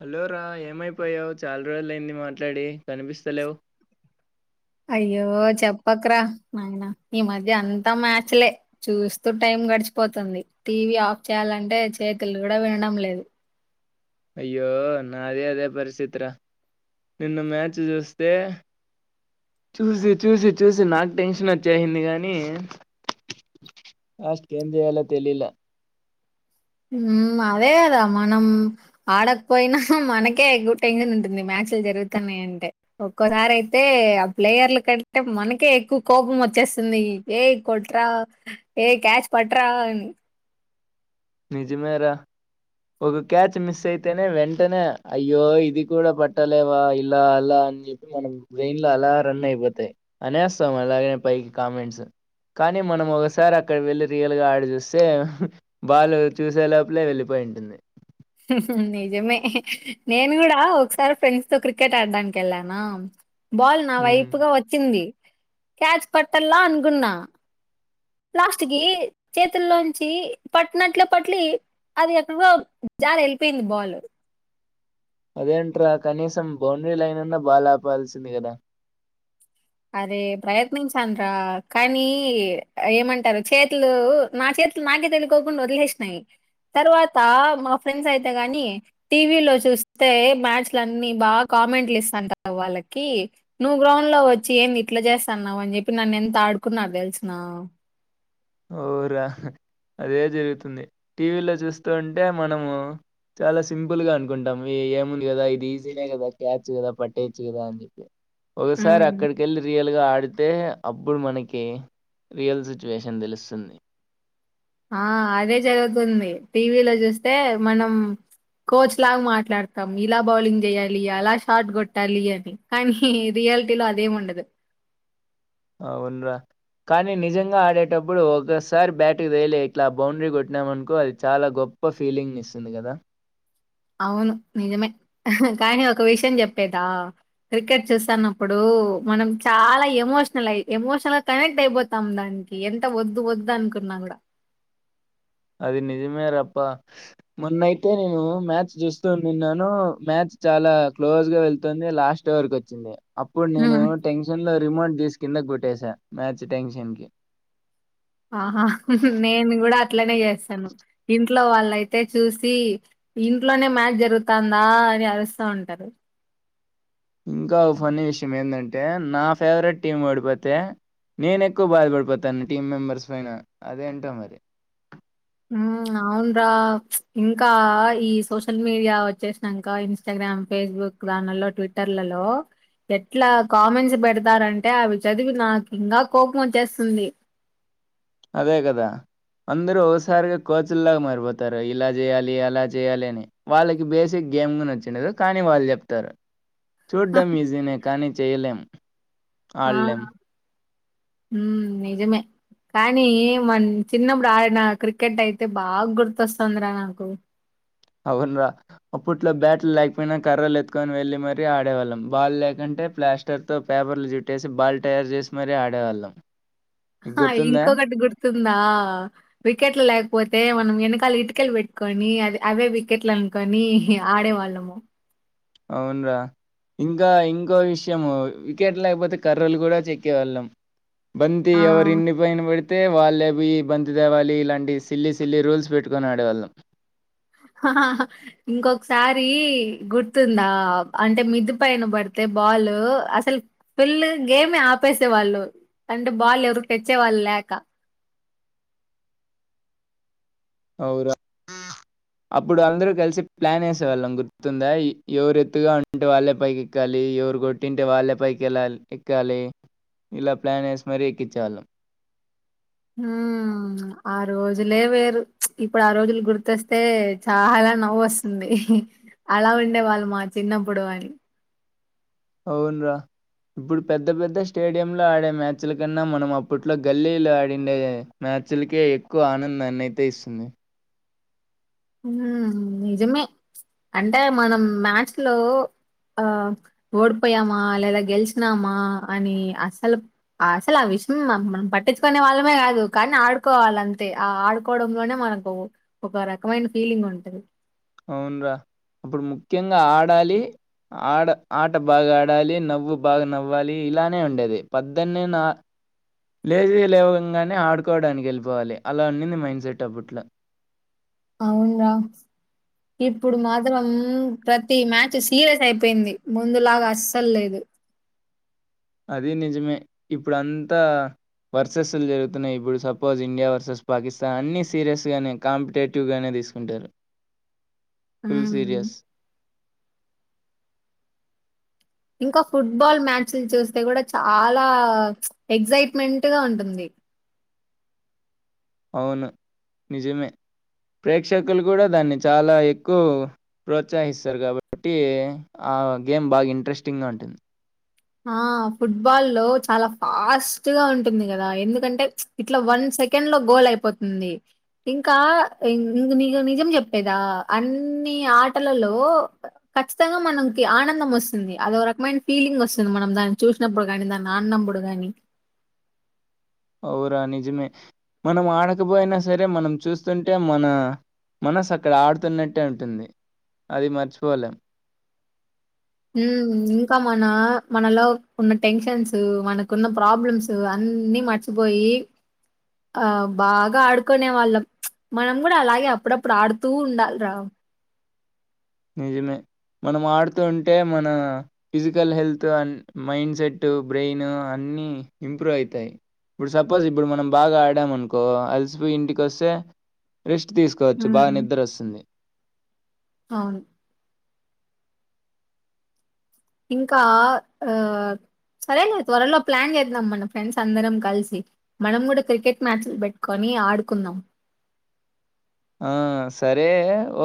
Hello రా ఏమైపోయావు చాలా రోజుల అయింది మాట్లాడి కనిపిస్తలే చెప్పకరా నాయన ఈ మధ్య అంత మ్యాచ్లే చూస్తూ టైమ్ గడిచిపోతుంది టీవ ఆఫ్ చేయాలంటే చేతులు కూడా వినడం లేదు అయ్యో నాదే అదే పరిస్థితిరా నిన్న మ్యాచ్ చూస్తే చూసి చూసి చూసి నాకు టెన్షన్ వచ్చియింది కాగానీ లస్ట్ ఏం చేయాలో తెలిలా అదే కదా మనం ఆడకపోయినా మనకే ఎక్కువ టెన్షన్ ఉంటుంది మ్యాచ్లు జరుగుతాన్నా అంటే ఒక్కసారి అయితే ఆ ప్లేయర్లు కంటే మనకే ఎక్కువ కోపం వచ్చేస్తుంది ఏ కొట్రా ఏ క్యాచ్ పట్రా అని నిజమేరా ఒక క్యాచ్ మిస్ అయితేనే వెంటనే అయ్యో ఇది కూడా పట్టలేవా ఇలా అలా అని చెప్పి మనం బ్రెయిన్ లో అలా రన్ అయిపోతాయి అనేస్తాం అలాగనే పైకి కామెంట్స్ కానీ మనం ఒకసారి అక్కడ వెళ్ళి రియల్ గా ఆడ చూస్తే బాాలు చూసే లోపలే వెళ్ళిపో వేంటనె హు హు నిజమే నేను కూడా ఒకసారి ఫ్రెండ్స్ తో క్రికెట్ ఆడడానికి వెళ్ళానా బాల్ నా ఉమ్. వైపుగా వచ్చింది క్యాచ్ పట్టల్లా అనుకున్నా లాస్ట్ కి చేతుల్లోంచి పట్టినట్లు పట్లి అది ఎక్కడో జాల వెళ్ళిపోయింది బాల్ అదేంట్రా కనీసం బౌండరీ లైన్నన్న బాల్ ఆపాల్సింది కదా అరే ప్రయత్నించాను రా కానీ ఏమంటారు చేతులు నా చేతులు నాకే తెలుకోకుండా వదిలేసినాయి తర్వాత మా ఫ్రెండ్స్ అయితే గాని టీవీలో చూస్తే మ్యాచ్లు అన్ని బాగా కామెంట్లు ఇస్తాంట వాళ్ళకి నువ్వు గ్రౌండ్ లో వచ్చ చెయండి ఇట్లా చేస్తాన్నావ అని చెప్పి నన్ను ఎంత ఆడుకున్నారు తెలిసిన ఓరా అదే జరుగుతుంది టీవీలో చూస్తుూంటే మనము చాలా సింపుల్ గా అనుకుంటాము ఈ ఏముంది కదా ఇది ఈజీనే కదా క్యాచ్ కదా పట్టేయచ్చు కదా అని చెప్పి ఒకసారి ఉమ్. అక్కడికెళ్ళి రియల్ ముందుగా ఆడితే అప్పుడు మనకి రియల్ స్వీచువేషన్ తెలుస్తుంది సమ్ ఆ అదే జరుగుతుంది టీవీలో చూస్తే మనం కోచ్ లాగా మాట్లాడతాం ఇలా బౌలింగ్ చేయాలి అలా షాట్ కొట్టాలి అని కానీ రియాలిటీలో అదేమి ఉండదు అవున్రా కానీ నిజంగా ఆడేటప్పుడు ఒకసారి బ్యాట్కి తగిలే ఇట్లా బౌండరీ కొట్టినామ అనుకో అది చాలా గొప్ప ఫీలింగ్ ఇస్తుంది కదా అవును నిజమే కానీ ఒక విషయం చెప్పేదా క్రికెట్ చూస్తన్నప్పుడు మనం చాలా ఎమోషనల్ అయి ఎమోషనల్ గా కనెక్ట్ అయిపోతాం దానికి ఎంత వద్దు వద్దు అనుకున్నా కూడా అది నిజమే రప్ప మొన్నయితే నేను మ్యాచ్ చూస్తూ నిన్నాను మ్యాచ్ చాలా క్లోజ్గా వెళ్తుంది లాస్ట్ వరకు వచ్చింది అప్పుడు నేను ఉమ్, టెన్షన్ లో రిమోట్ తీసు కింద కొట్టేసా మ్యాచ్ టెన్షన్ కి ఆహా నేను కూడా అట్లనే చేస్తాను ఇంట్లో వాళ్ళయితే చూసి ఇంట్లోనే మ్యాచ్ జరుగుతుందా అని అరుస్తా ఉంటారు ఇంకా కొన్న విషయం ఏంటంటే నా ఫేవరెట్ టీం పఓడిపోతే నేను ఎక్కువ బాధపడిపోతాను టీం మెంబర్స్ పైన అదేంటా మరి అవున్రా ఇంకా ఈ సోషల్ మీడియా వచ్చేసినాక ఇన్స్టాగ్రామ్ ఫేస్బుక్ దానిలో ట్విట్టర్లలో ఎట్లా కామెంట్స్ పెడతారంటే అవి చదివి నాకు ఇంకా కోపం వచ్చేస్తుంది అదే కదా అందరుూ ఒకసారిగా కోచ్ల్లాగా మారిపోతారు ఇలా చేయాలి అలా చేయాలి అని వాళ్ళకి బేసిక్ గేమ్ వచ్చిండదు కానీ వాళ్ళు చెప్తారు చూడ్డం ఇజినే కానీ చేయ్యలేం ఆలేెం ఉ నిజమే కానీ మ చిన్నప్పుడు ఆ నా క్రికెట్ అయితే బాగా గుర్తొస్తుందిరా నాకు అవును రా అప్పట్లో బ్యాట్లు లేకపోయినా కర్రలు ఎత్తుకొని వెళ్ళలి మరీ ఆడేవాళ్ళం బాల్ లేకుంటే ప్లాస్టర్తోో పేపర్లు జుట్టేసి బాల్ తయారు చేసి మరీ ఆడేవాళ్ళం నీకు ఆ గుర్తుందా ఇంకొకటి గుర్తుందా వికెట్లు లేకపోతే మనం వెనక కాలి ఇటుకెలు పెట్టుకొని అదే అదే వికెట్లు అనుకొని ఆడే వాళ్ళము అవునరా ఇంకా ఇంకో విషయము వికెట్ లేకపోతే కర్రలు కూడా చెక్కేవాళ్ళం బంతి ఆ! ఎవరి ఇన్ని పైన పడి అయితే వాళ్ళేపు ఈ బంతి దేవాలి ఇలాంటి సిల్లి సిల్లి రూల్స్ పెట్టుకుని అడేవాళ్ళం ఇంకొకసారి గుర్తుందా అంటే మిది పైన పడితే బాల్ అసలు ఫిల్ గేమ్ ఆపేసే వాళ్ళు అంటే బాల్ ఎవరు తెచ్చే వాళ్ళు లేక అవురా అప్పుడు అందరూ కలిసి ప్లాన్ వేసేవాళ్ళం గుర్తుందా ఎవరు ఎత్తుగా ఉంటే వాళ్ళ పైకి ఎక్కాలి ఎవరు కొట్టింటే వాళ్ళే పైకి ఇలా ఎక్కాలి ఇలా ప్లాన్ వేసి మరీ ఎక్కించేవాళ్ళం హ ఆ రోజులే వేరు ఇప్పుడు ఆ రోజులు గుర్తొస్తే చాలా నవ్వు వస్తుంది అలా ఉండే వాళ్ళు మా చిన్నప్పుడు అని అవును్రా ఇప్పుడు పెద్ద పెద్ద స్టేడియంలో ఆడే మ్యాచ్ల కన్నా మనం అప్పట్లో గల్లీలు ఆడిండే మ్యాచ్లకే ఎక్కువ ఆనందాన్నియితే ఇస్తుంది నిజమే అంటే మనం మ్యాచ్చ్ లో ఆ ఓడిపోయామా లేదా గెలిచినామా అని అసలు అసలు ఆ విషయం మనం పట్టించుకునే వాళ్ళమే కాదు కానీ ఆడుకోవాల అంతే ఆ ఆడుకోవడంలోనే మనకు ఒక రక రకమైన ఫీలింగ్ ఉంటుది అవున్రా అప్పుడు ముఖ్యంగా ఆడాలి ఆడ ఆట బాగా ఆడాలి నవ్వు బాగా నవ్వాలి ఇలానే ఉండేది పద్దెనిని నా లేచి లేవంగానే ఆడుకోవడానికి వెళ్ళిపోవాలి అలా ఉన్నింది మైండ్ సెట్ అప్పుట్లో అవున్ర ఇప్పుడు మాత్రం ప్రతి మ్యాచ్ సీరియస్ అయిపోయింది ముందులాగా అస్సలు లేదు అది నిజమే ఇప్పుడు అంతా వర్సస్లు జరుగుతున్నాయి ఇప్పుడు సపోజ్ ఇండియా వర్సెస్ పాకిస్తాన్ అన్ని సీరియస్ గానే కాంపిటేవ్టివ్ తీసుకుంటారు ఫుల్ ఉమ్. సీరియస్ ఇంకా ఫుట్బాల్ మ్యాచ్లు చూస్తే కూడా చాలా ఎక్సైట్మెంట్గా ఉంటుంది అవును నిజమే ప్రేక్షకులు కూడా దాన్ని చాలా ఎక్కువ ప్రోత్సహిస్తారు కాబట్టి ఆ గేమ్ బాగా ఇంట్రెస్టింగ్గా ఉంటుంది ఆ ఫుట్బాల్ లో చాలా ఫాస్ట్ గా ఉంటుంది కదా ఎందుకంటే ఇట్లా వన్ సెకండ్ లో గోల్ అయిపోతుంది ఇంకా నీకు నిజం చెప్పేదా అన్ని ఆటలలో ఖచ్చితంగా మనకి ఆనందం వస్తుంది అదో రకమైన ఫీలింగ్ వస్తుంది మనం దాన్ని చూసినప్పుడు కానీ దాన్ని అన్నప్పుడు కానీ ఔను రా నిజమే మనం ఆడకపోయినా సరే మనం చూస్తుంటే మన మనసు అక్కడ ఆడుతున్నట్టే ఉంటుంది అది మర్చిపోలేం హ ఇంకా మన మనలో ఉన్న టెన్షన్స్ మనకున్న ప్రాబ్లమ్స్ అన్ని మర్చిపోయి ఆ బాగా ఆడుకునే వాళ్ళం మనం కూడా అలాగే అప్పుడప్పుడు ఆడుతూ ఉండాలి రా నిజమే మనం ఆడుతూ ఉంటే మన physical health mind set brain అన్ని ఇంప్రూవ్ అవుతాయి ఇప్పుడు సపోజ్ ఇప్పుడు మనం బాగా ఆడామ అనుకో అలిసిపోయి ఇంటికి వస్తే రెస్ట్ తీసుకోవచ్చు బాగా హ్మ్. నిద్ర వస్తుంది అవును ఇంకా ఆ సరేలేదు త్వరలో ప్లాన్ చేద్దాం మన ఫ్రెండ్స్ అందరం కలిసి మనం కూడా క్రికెట్ మ్యాచ్లు పెట్టుకొని ఆడుకుందాం ఆ సరే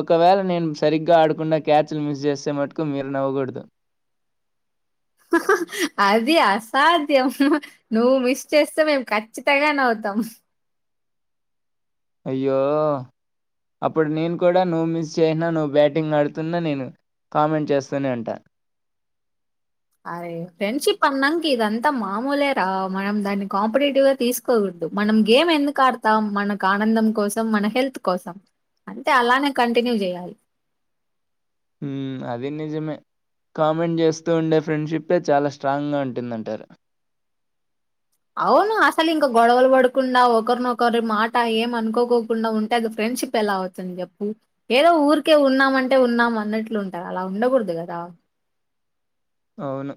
ఒకవేళ నేను సరిగ్గా ఆడకుంన్న క్యాచ్లు మిస్ చేసే మటుకు మీరు నవ్వకూడదు అది అసాధ్యం నువ్వు మిస్ చేస్తే మేము ఖచ్చితంగా న అవుతాం అయ్యో అప్పుడు నేను కూడా నువ్వు మిస్ చేసిన నువ్వు బ్యాటింగ్ ఆడుతున్నా నేను కామెంట్ చేస్తూనే అంటా అరే ఫ్రెండ్షిప్ అన్నాంనికి ఇదంతా మామూలే రా మనం దాన్ని కాంపిటేటివ్ గా తీసుకోకూడదు మనం గేమ్ ఎందుకు ఆడతాం మనకు ఆనందం కోసం మన హెల్త్ కోసం అంటే అలానే కంటిన్యూ చేయాలి అది నిజమే కామెంట్ చేస్తూ ఉండే ఫ్రెండ్షిప్ చాలా స్ట్రాంగ్గా ఉంటుంద అంటారు అవును అసలు ఇంకా గొడవలు పడకుండా ఒకరినొకరి మాట ఏమ అనుకోకోకుండా ఉంటే అది ఫ్రెండ్షిప్ ఎలా అతుంది చెప్పు ఏదో ఊరికే ఉన్నామంటే ఉన్నాం అన్నట్లు ఉంటారు అలా ఉండకూడదు కదా అవును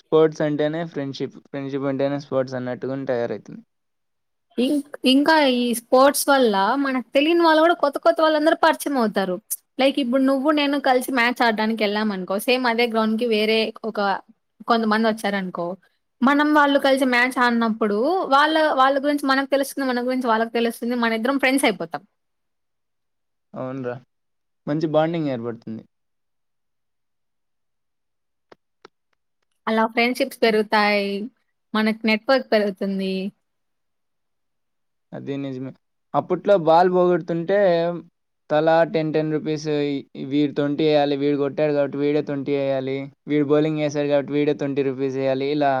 స్పోర్ట్స్ అంటేనే ఫ్రెండ్షిప్ ఫ్రెండ్షిప్ అంటేనే స్పోర్ట్స్ అన్నట్టుగాని తయారవుతుంది ఇం ఇంకా ఈ స్పోర్ట్స్ వల్ల మనకు తెలియని వాళ్ళు కూడా కొత్త కొత్త వాళ్ళందరుూ పరిచయం అవుతారు లైక్ ఇప్పుడు నువ్వు నేను కలిసి మ్యాచ్ ఆడడానికి వెళ్ళాం అనుకో సేమ్ అదే గ్రౌండ్ కి వేరే ఒక కొంతమంది వచ్చారనుకో మనం వాళ్ళు కలిసి మ్యాచ్ ఆడినప్పుడు వాళ్ళ వాళ్ళ గురించి మనకు తెలుస్తుంది మన గురించి వాళ్ళకి తెలుస్తుంది మన ఇద్దరం ఫ్రెండ్స్ అయిపోతాం అవున్రా మంచి బాండింగ్ ఏర్పడుతుంది హలో ఫ్రెండ్షిప్స్ పెరుగుతాయి మనకు నెట్వర్క్ పెరుగుతుంది అదే నిజమే అప్పట్లో బాల్ పోగొడుతుంటే తల టెన్ టెన్ రూపీస్ వీడి ట్వంటీ వేయాలి వీడు కొట్టాారు కాబట్టి వీడే ట్వంటీ వేయ్యాలి వీడు బౌలింగ్ చేసారు కాబట్టి వీడే ట్వంటీ రుపీస్ వయాలి ఇలా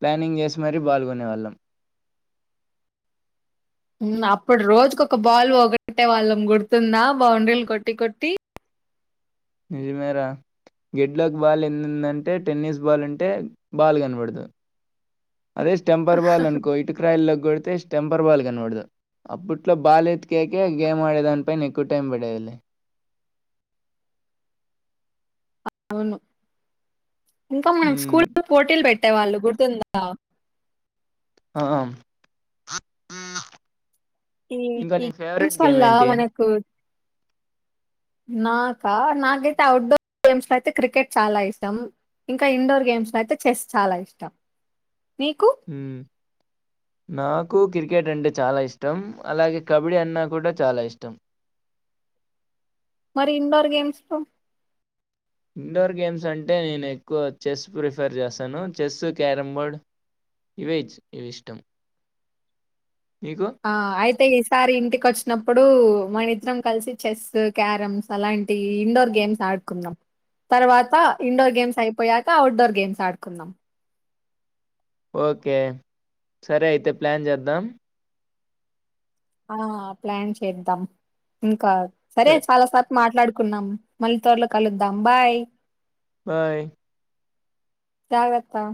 ప్లానింగ్ చేసి మరీ బాల్ కొనేవాళ్ళం అప్పుడు రోజుక ఒక బాల్ ఒకటే వాళ్ళం గుడుతుందా బౌండ్రీలు కొట్టి కొట్టి నిజమేర గెడ్లాక్ బాల్ ఎందుందంటే టెన్నిస్ బాల్ ఉంటే బాల్ కనబడదు అదే స్టెంపర్ బవాల అనుకో ఇటుక్రాయలో కొడితే టెంపర్ బాల్ కనూడదు అప్పట్లో బాల్ ఎత్తికేక గేమ్ ఆడే దాని పన ఎక్కువ టైం పడేవాళి అవును ఇంకా మనం హ్మ్. స్కూల్ పోటీలు పెట్ అట్టే వాళ్ళు కుర్తుందా ఆ ఈ ఇంకా నీ ఫేవరెట్ ఈలా గేమేంటి? మనకు నాకా నాకైతే అఔట్డోర్ గేమ్స్ లో అయితే క్రికెట్ చాలా ఇష్టం ఇంకా ఇండోర్ గేమ్స్ లో అయితే చెస్ చాలా ఇష్టం నీకు నాకు కీర్ క్రికెట్ అంటే చాలా ఇష్టం అలాగే కబడ్డీ అన్నా కూడా చాలా ఇష్టం మరి ఇండోర్ గేమ్స్ కు ఇండోర్ గేమ్స్ అంటే నేను ఎక్కువ చెస్ ప్రిఫర్ చేస్తాను. చెస్సు, క్యారంబోర్డ్ ఇవే ఇవి ఇష్టం మీకు? ఆ అయితే ఈసారి ఇంటికొచ్చినప్పుడు మనిద్దరం కల్సి చెస్సు, క్యారమ్స్ అలాంటి ఇండోర్ గేమ్స్ ఆడుకుందాం. తర్వాత ఇండోర్ గేమ్స్ అయిపోయాక అవుట్డోర్ గేమ్స్ ఆడుకుందాం. ఓకే, సరే అయితే ప్లాన్ జేద్దాం. ఆ ప్లాన్ చేద్దాం ఇంకా స సరే చాలా సార్ కు మాట్లాడు కున్నాం మళ్ళీ తోరలో కలుద్దాం బాయ్ బాయ్ జాగ్రత్త